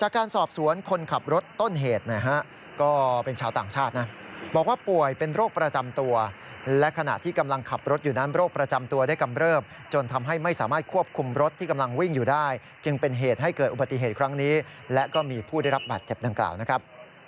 จากการสอบสวนคนขับรถต้นเหตุนะฮะก็เป็นชาวต่างชาตินะบอกว่าป่วยเป็นโรคประจำตัวและขณะที่กำลังขับรถอยู่นั้นโรคประจำตัวได้กำเริบจนทำให้ไม่สามารถควบคุมรถที่กำลังวิ่งอยู่ได้จึงเป็นเหตุให้เกิดอุบัติเหตุครั้งนี้และก็มีผู้ได้รับบาดเจ็บดังกล่าวนะครับ